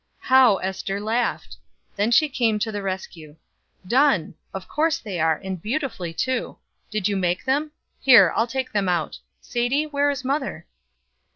How Ester laughed! Then she came to the rescue. "Done of course they are, and beautifully, too. Did you make them? Here, I'll take them out. Sadie, where is mother?"